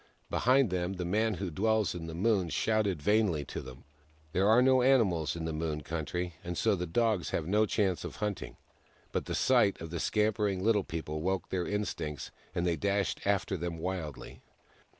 Behind them the Man Who Dwells In The Moon shouted vainly to them. There are no animals in the Moon Country, and so the Dogs have no chance of hunting ; but the sight of the scampering Little People woke their instincts, and they dashed after them wildly.